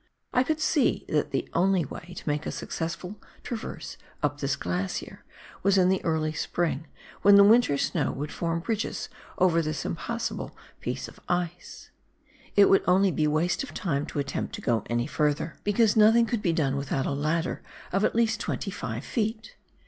I could see that the only way to make a successful traverse up this glacier was in the early spring, when the winter snow would form bridges over this impassable piece of ice. It would only be waste of time to attempt to go any further, because 62 PIONEER WORK IN THE ALPS OF NEW ZEALAND. nothing could be done without a ladder of at least 25 ft.